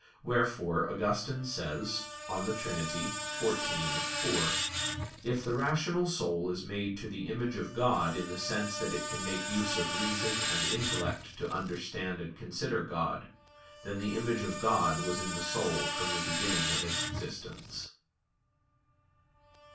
Wherefore, Augustine says (De Trin. xiv, 4): "If the rational soul is made to the image of God in the sense that it can make use of reason and intellect to understand and consider God, then the image of God was in the soul from the beginning of its existence."